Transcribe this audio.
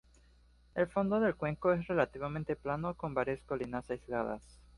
El fondo del cuenco es relativamente plano, con varias colinas aisladas.